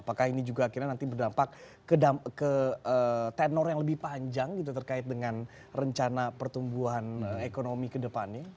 apakah ini juga akhirnya nanti berdampak ke tenor yang lebih panjang gitu terkait dengan rencana pertumbuhan ekonomi ke depannya